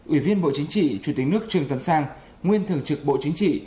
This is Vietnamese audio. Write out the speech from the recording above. ủy viên bộ chính trị chủ tịch nước trương tấn sang nguyên thường trực bộ chính trị